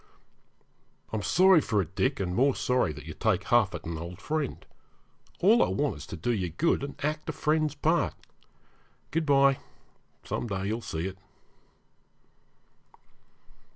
'I'm sorry for it, Dick, and more sorry that you take huff at an old friend. All I want is to do you good, and act a friend's part. Good bye some day you'll see it.'